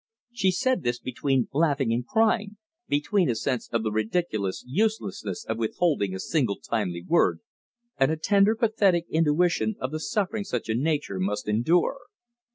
She said this between laughing and crying; between a sense of the ridiculous uselessness of withholding a single timely word, and a tender pathetic intuition of the suffering such a nature must endure.